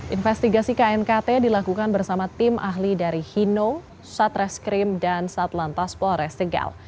investigasi knkt dilakukan bersama tim ahli dari hino satreskrim dan satlantas polres tegal